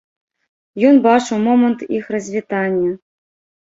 Ён бачыў момант іх развітання.